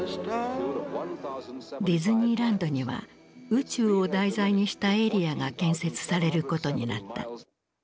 ディズニーランドには宇宙を題材にしたエリアが建設されることになった。